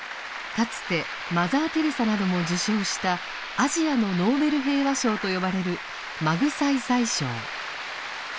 かつてマザー・テレサなども受賞した「アジアのノーベル平和賞」と呼ばれるマグサイサイ賞。